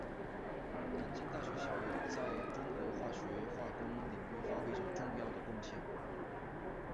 南京大学校友在中国化学化工领域发挥着重要的贡献。